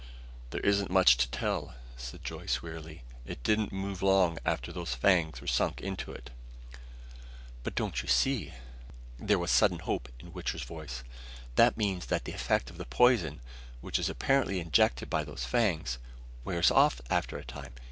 "There isn't much to tell," said Joyce wearily. "It didn't move long after those fangs were sunk into it." "But don't you see!" There was sudden hope in Wichter's voice. "That means that the effect of the poison, which is apparently injected by those fangs, wears off after a time.